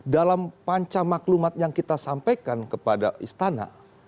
dalam panca maklumat yang kita sampaikan kepada istana